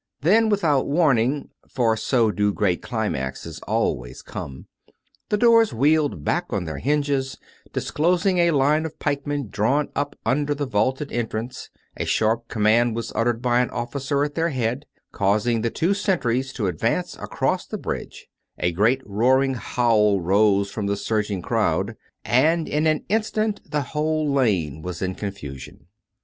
... Then, without warning (for so do great climaxes always come), the doors wheeled back on their hinges, disclosing a line of pikemen drawn up under the vaulted entrance; a sharp command was uttered by an officer at their head, causing the two sentries to advance across the bridge; a great roaring howl rose from the surging crowd; and in an instant the whole lane was in confusion.